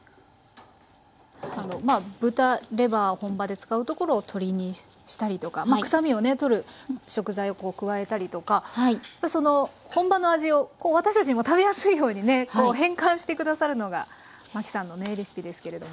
豚レバー本場で使うところを鶏にしたりとかくさみを取る食材を加えたりとか本場の味を私たちにも食べやすいようにね変換して下さるのがマキさんのねレシピですけれども。